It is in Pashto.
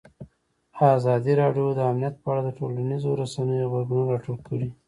ازادي راډیو د امنیت په اړه د ټولنیزو رسنیو غبرګونونه راټول کړي.